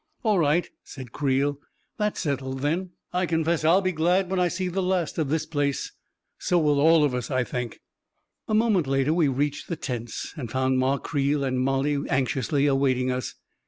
" All right," said Creel. " That's settled, then. 352 A KING IN BABYLON I confess I'll be glad when I see the last of this place ! So will all of us, I think.' 9 A moment later we reached the tents, and found Ma Creel and Mollie anxiously awaiting us.